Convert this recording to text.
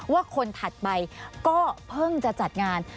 ว่าคนถัดไปก็เพิ่งจะจัดงาน